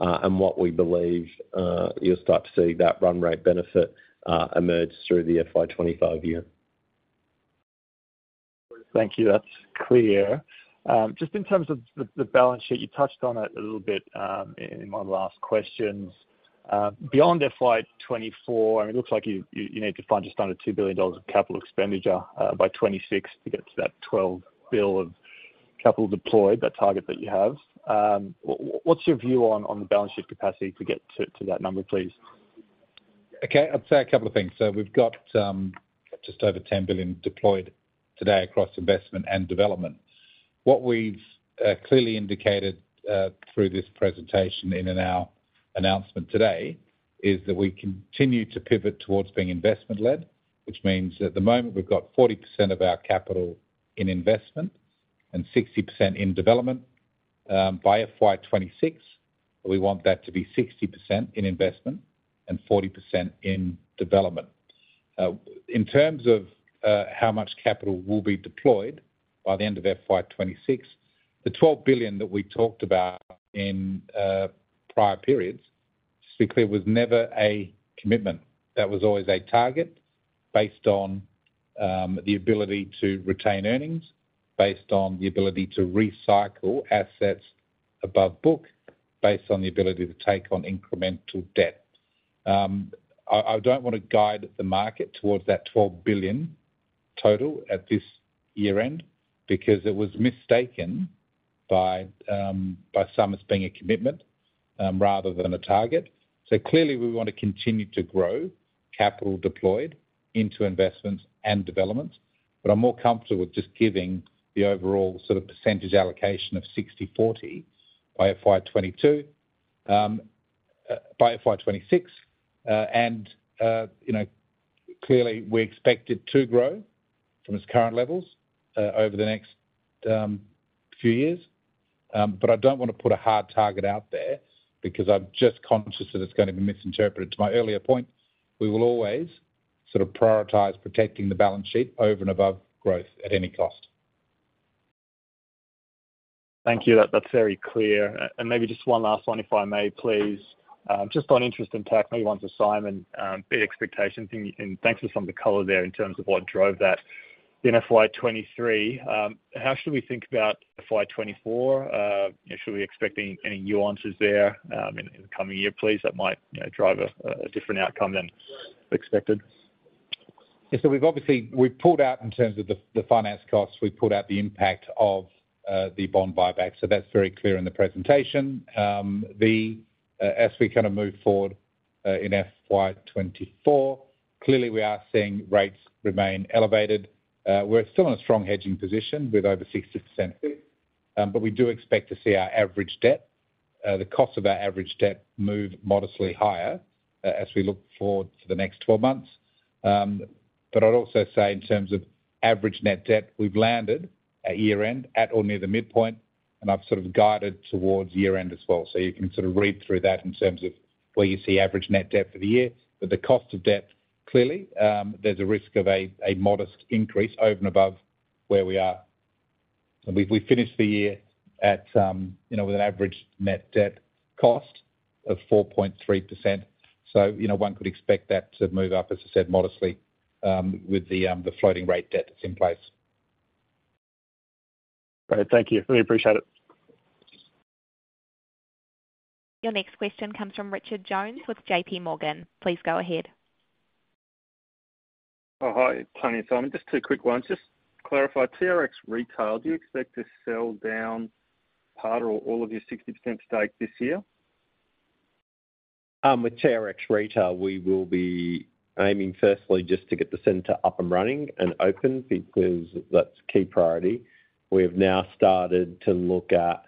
Speaker 3: and what we believe, you'll start to see that run rate benefit emerge through the FY 2025 year.
Speaker 9: Thank you. That's clear. Just in terms of the balance sheet, you touched on it a little bit, in one of the last questions. Beyond FY 2024, I mean, it looks like you, you need to find just under 2 billion dollars of capital expenditure by 2026 to get to that 12 billion of capital deployed, that target that you have. What's your view on the balance sheet capacity to get to that number, please?
Speaker 3: Okay, I'd say a couple of things. We've got just over 10 billion deployed today across investment and development. What we've clearly indicated through this presentation in and our announcement today is that we continue to pivot towards being investment-led, which means at the moment we've got 40% of our capital in investment and 60% in development. By FY 2026, we want that to be 60% in investment and 40% in development. In terms of how much capital will be deployed by the end of FY 2026, the AUD 12 billion that we talked about in prior periods, simply, it was never a commitment. That was always a target based on the ability to retain earnings, based on the ability to recycle assets above book, based on the ability to take on incremental debt. I, I don't wanna guide the market towards that 12 billion total at this year-end, because it was mistaken by some as being a commitment rather than a target. Clearly, we want to continue to grow capital deployed into investments and developments, but I'm more comfortable with just giving the overall sort of percentage allocation of 60/40 by FY 2022 by FY 2026. You know, clearly, we expect it to grow from its current levels over the next few years. I don't wanna put a hard target out there because I'm just conscious that it's going to be misinterpreted. To my earlier point, we will always sort of prioritize protecting the balance sheet over and above growth at any cost.
Speaker 9: Thank you. That, that's very clear. Maybe just one last one, if I may, please? Just on interest impact, maybe one to Simon. Beat expectations, and, and thanks for some of the color there in terms of what drove that in FY 2023. How should we think about FY 2024? You know, should we expect any, any nuances there, in the coming year, please, that might, you know, drive a, a different outcome than expected?
Speaker 3: We've pulled out in terms of the finance costs, we've pulled out the impact of the bond buyback, that's very clear in the presentation. As we kind of move forward, in FY 2024, clearly we are seeing rates remain elevated. We're still in a strong hedging position with over 60% fixed. We do expect to see our average debt, the cost of our average debt move modestly higher, as we look forward to the next 12 months. I'd also say in terms of average net debt, we've landed at year-end, at or near the midpoint, and I've sort of guided towards year-end as well. You can sort of read through that in terms of where you see average net debt for the year. The cost of debt, clearly, there's a risk of a, a modest increase over and above where we are. We've finished the year at, you know, with an average net debt cost of 4.3%, so, you know, one could expect that to move up, as I said, modestly, with the, the floating rate debt that's in place.
Speaker 9: Great. Thank you. Really appreciate it.
Speaker 1: Your next question comes from Richard Jones with JPMorgan. Please go ahead.
Speaker 10: Oh, hi, Tony and Simon. Just two quick ones. Just to clarify, TRX Retail, do you expect to sell down part or all of your 60% stake this year?
Speaker 2: With TRX Retail, we will be aiming firstly just to get the center up and running and open, because that's key priority. We have now started to look at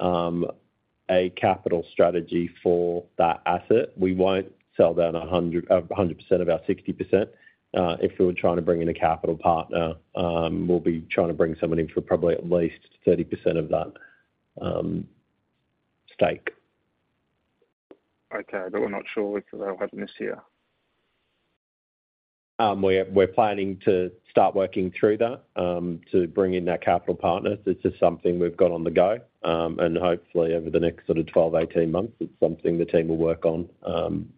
Speaker 2: a capital strategy for that asset. We won't sell down 100%, 100% of our 60%. If we were trying to bring in a capital partner, we'll be trying to bring someone in for probably at least 30% of that stake.
Speaker 10: Okay. We're not sure whether that will happen this year?
Speaker 2: We're, we're planning to start working through that, to bring in that capital partner. This is something we've got on the go, and hopefully over the next sort of 12, 18 months, it's something the team will work on,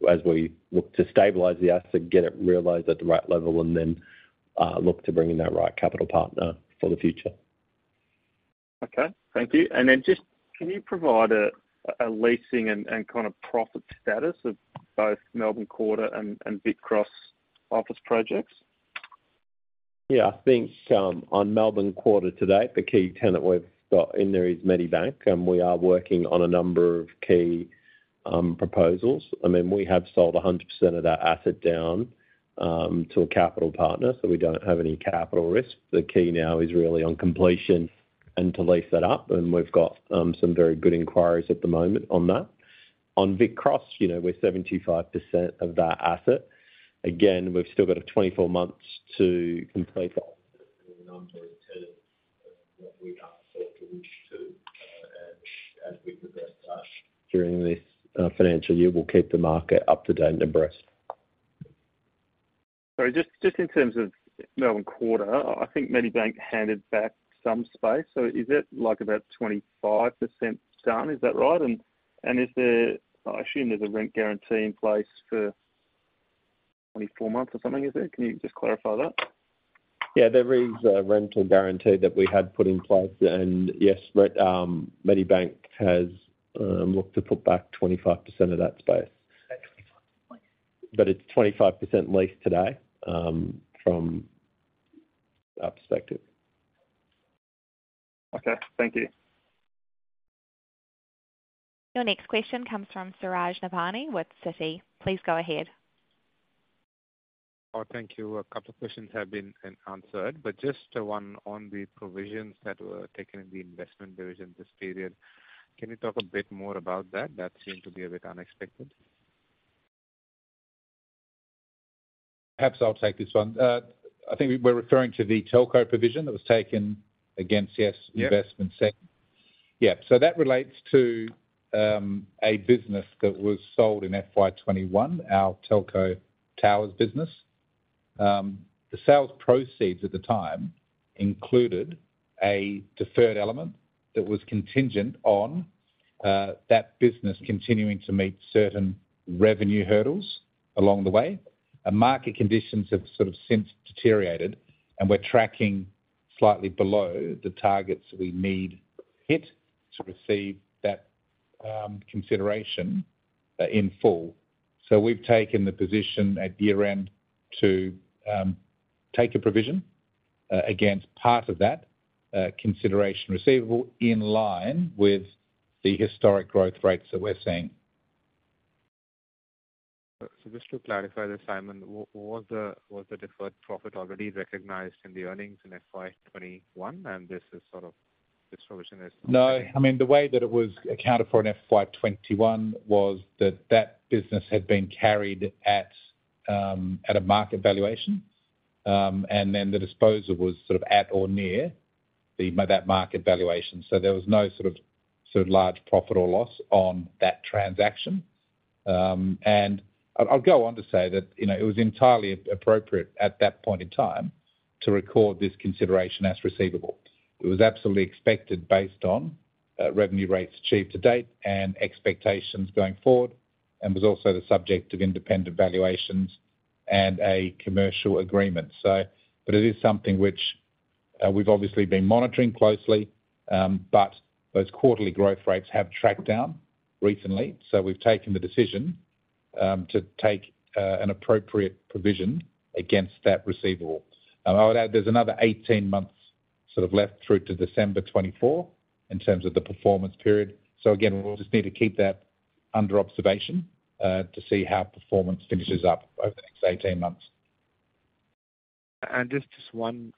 Speaker 2: as we look to stabilize the asset, get it realized at the right level, and then, look to bring in that right capital partner for the future.
Speaker 10: Okay, thank you. Can you provide a leasing and kind of profit status of both Melbourne Quarter and Vic Cross office projects?
Speaker 2: Yeah, I think, on Melbourne Quarter, to date, the key tenant we've got in there is Medibank. We are working on a number of key proposals. I mean, we have sold 100% of that asset down to a capital partner, so we don't have any capital risk. The key now is really on completion and to lease that up, and we've got some very good inquiries at the moment on that. On Vic Cross, you know, we're 75% of that asset. Again, we've still got 24 months to complete during this financial year, we'll keep the market up to date and abreast.
Speaker 10: Sorry, just in terms of Melbourne Quarter, I think Medibank handed back some space. Is it, like, about 25% done? Is that right? Is there-- I assume there's a rent guarantee in place for 24 months or something, is there? Can you just clarify that?
Speaker 2: Yeah, there is a rental guarantee that we had put in place, and yes, Medibank has looked to put back 25% of that space.
Speaker 10: 25%, okay.
Speaker 2: It's 25% leased today, from our perspective.
Speaker 10: Okay, thank you.
Speaker 1: Your next question comes from Suraj Nebhani with Citi. Please go ahead.
Speaker 11: Oh, thank you. A couple of questions have been, answered, but just one on the provisions that were taken in the investment division this period. Can you talk a bit more about that? That seemed to be a bit unexpected.
Speaker 3: Perhaps I'll take this one. I think we're referring to the telco provision that was taken against Investment segment? Yeah. That relates to a business that was sold in FY 2021, our telco towers business. The sales proceeds at the time included a deferred element that was contingent on that business continuing to meet certain revenue hurdles along the way. Market conditions have sort of since deteriorated, and we're tracking slightly below the targets we need to hit to receive that consideration in full. We've taken the position at year-end to take a provision against part of that consideration receivable in line with the historic growth rates that we're seeing.
Speaker 11: Just to clarify this, Simon, was the deferred profit already recognized in the earnings in FY 2021, and this is sort of this provision is?
Speaker 3: No. I mean, the way that it was accounted for in FY 2021 was that that business had been carried at a market valuation. The disposal was sort of at or near that market valuation. There was no sort of large profit or loss on that transaction. I'll go on to say that, you know, it was entirely appropriate at that point in time to record this consideration as receivable. It was absolutely expected, based on revenue rates achieved to date and expectations going forward, and was also the subject of independent valuations and a commercial agreement. It is something which we've obviously been monitoring closely, but those quarterly growth rates have tracked down recently, so we've taken the decision to take an appropriate provision against that receivable. I would add, there's another 18 months sort of left through to December 2024 in terms of the performance period. Again, we'll just need to keep that under observation to see how performance finishes up over the next 18 months.
Speaker 11: Just, just one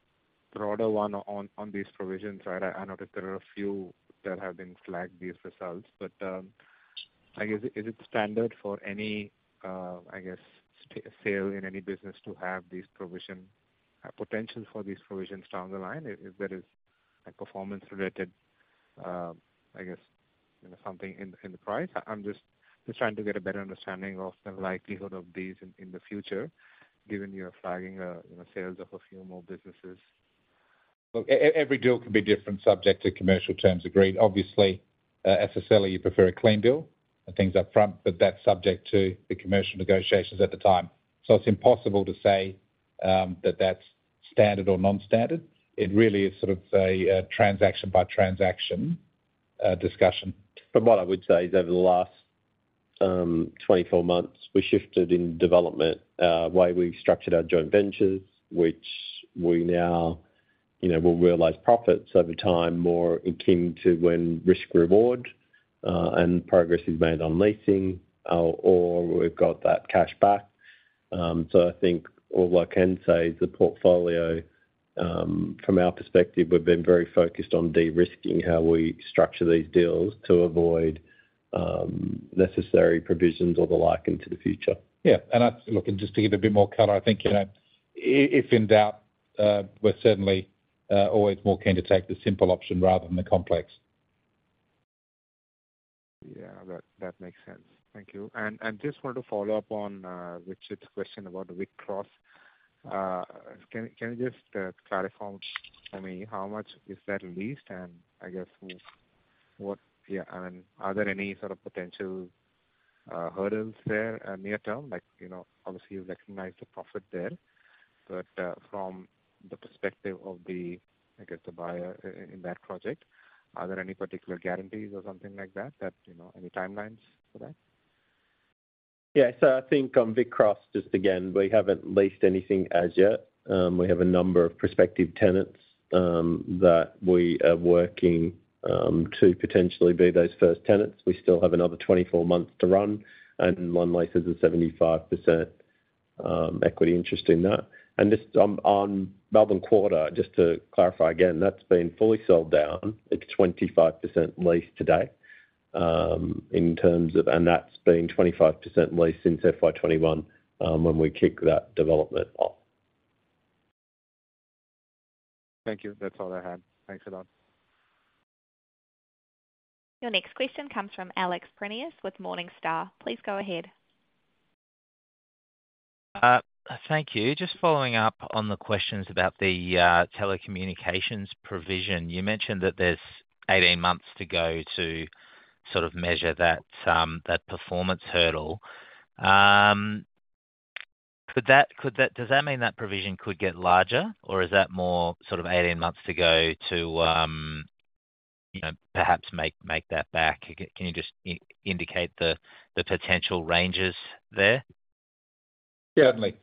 Speaker 11: broader one on, on these provisions, right? I know that there are a few that have been flagged, these results, but, I guess, is it standard for any, I guess, sale in any business to have these provision, potential for these provisions down the line if there is a performance related, I guess, you know, something in, in the price? I'm just, just trying to get a better understanding of the likelihood of these in, in the future, given you are flagging, you know, sales of a few more businesses.
Speaker 3: Look, every deal can be different, subject to commercial terms agreed. Obviously, as a seller, you prefer a clean bill and things up front, but that's subject to the commercial negotiations at the time. It's impossible to say, that that's standard or non-standard. It really is sort of a, transaction by transaction, discussion.
Speaker 2: What I would say is, over the last, 24 months, we shifted in development, the way we've structured our joint ventures, which we now, you know, will realize profits over time, more akin to when risk, reward, and progress is made on leasing, or we've got that cash back. I think all I can say is the portfolio, from our perspective, we've been very focused on de-risking how we structure these deals to avoid, necessary provisions or the like into the future.
Speaker 3: Yeah, look, and just to give a bit more color, I think, you know, if in doubt, we're certainly, always more keen to take the simple option rather than the complex.
Speaker 11: Yeah, that, that makes sense. Thank you. Just want to follow up on Richard's question about Vic Cross. Can you just clarify for me, how much is that leased? I guess, what... Yeah, are there any sort of potential hurdles there near term? Like, you know, obviously, you recognize the profit there, but from the perspective of the, I guess, the buyer in that project, are there any particular guarantees or something like that, that, you know, any timelines for that?
Speaker 2: I think on Vic Cross, just again, we haven't leased anything as yet. We have a number of prospective tenants that we are working to potentially be those first tenants. We still have another 24 months to run, Lendlease has a 75% equity interest in that. Just on, on Melbourne Quarter, just to clarify, again, that's been fully sold down. It's 25% leased today, and that's been 25% leased since FY 2021 when we kicked that development off.
Speaker 11: Thank you. That's all I had. Thanks a lot.
Speaker 1: Your next question comes from Alex Prineas with Morningstar. Please go ahead.
Speaker 12: Thank you. Just following up on the questions about the telecommunications provision. You mentioned that there's 18 months to go to sort of measure that performance hurdle. Could that, does that mean that provision could get larger, or is that more sort of 18 months to go to, you know, perhaps make that back? Can you just indicate the potential ranges there?
Speaker 2: Certainly.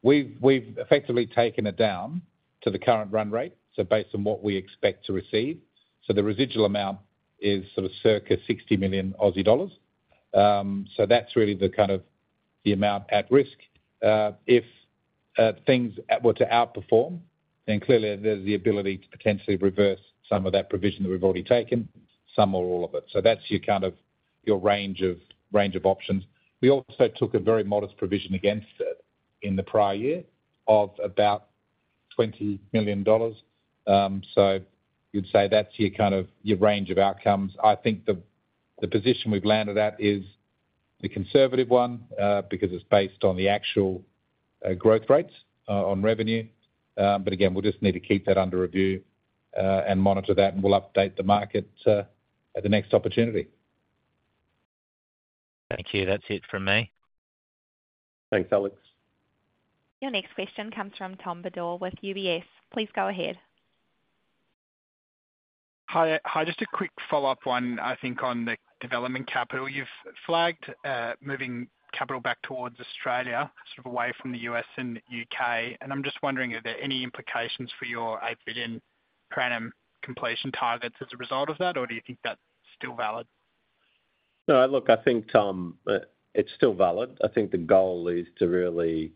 Speaker 2: We've, we've effectively taken it down to the current run rate, so based on what we expect to receive. The residual amount is sort of circa 60 million Aussie dollars. That's really the kind of the amount at risk. If things were to outperform, then clearly there's the ability to potentially reverse some of that provision that we've already taken, some or all of it. That's your kind of, your range of, range of options. We also took a very modest provision against in the prior year of about 20 million dollars. You'd say that's your kind of, your range of outcomes. I think the, the position we've landed at is the conservative one, because it's based on the actual growth rates on revenue. Again, we'll just need to keep that under review, and monitor that, and we'll update the market, at the next opportunity.
Speaker 12: Thank you. That's it from me.
Speaker 2: Thanks, Alex.
Speaker 1: Your next question comes from Tom Bodor with UBS. Please go ahead.
Speaker 5: Hi, hi, just a quick follow-up one, I think, on the development capital. You've flagged moving capital back towards Australia, sort of away from the U.S. and U.K. I'm just wondering, are there any implications for your 8 billion per annum completion targets as a result of that, or do you think that's still valid?
Speaker 2: No, look, I think, Tom, it's still valid. I think the goal is to really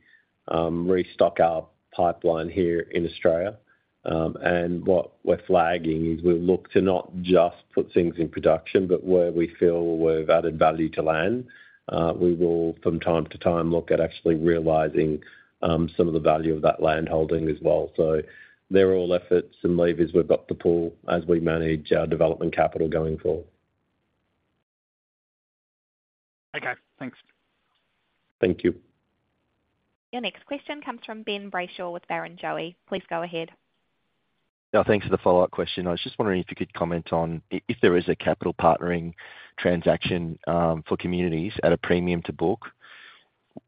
Speaker 2: restock our pipeline here in Australia. What we're flagging is we'll look to not just put things in production, but where we feel we've added value to land, we will, from time to time, look at actually realizing some of the value of that land holding as well. They're all efforts and levers we've got to pull as we manage our development capital going forward.
Speaker 5: Okay, thanks.
Speaker 2: Thank you.
Speaker 1: Your next question comes from Ben Brayshaw with Barrenjoey. Please go ahead.
Speaker 6: Yeah, thanks for the follow-up question. I was just wondering if you could comment on if there is a capital partnering transaction for communities at a premium to book,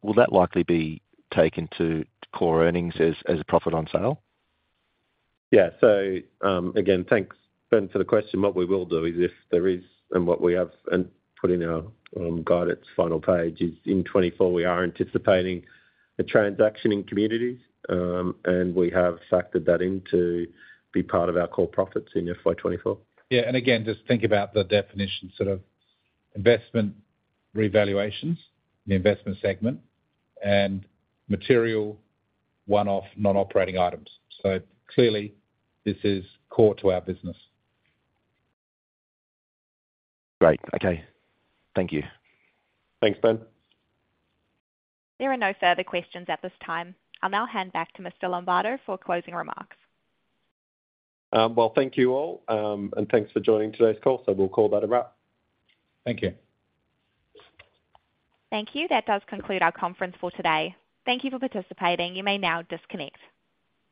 Speaker 6: will that likely be taken to core earnings as, as a profit on sale?
Speaker 3: Yeah. again, thanks, Ben, for the question. What we will do is if there is, and what we have and put in our guidance final page, is in 2024, we are anticipating a transaction in communities, and we have factored that in to be part of our core profits in FY 2024.
Speaker 2: Yeah, again, just think about the definition, sort of investment revaluations, the investment segment, and material one-off, non-operating items. Clearly, this is core to our business.
Speaker 6: Great. Okay. Thank you.
Speaker 2: Thanks, Ben.
Speaker 1: There are no further questions at this time. I'll now hand back to Mr. Lombardo for closing remarks.
Speaker 2: Well, thank you all, and thanks for joining today's call. We'll call that a wrap.
Speaker 3: Thank you.
Speaker 1: Thank you. That does conclude our conference for today. Thank you for participating. You may now disconnect.